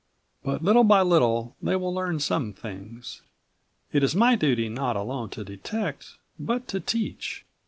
But little by little they will learn some things. It is my duty not alone to detect but to teach."